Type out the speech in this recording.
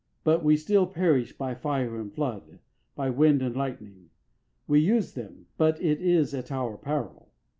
But we still perish by fire and flood, by wind and lightning. We use them, but it is at our peril.